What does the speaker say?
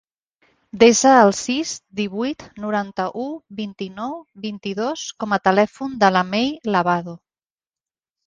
Desa el sis, divuit, noranta-u, vint-i-nou, vint-i-dos com a telèfon de la Mei Lavado.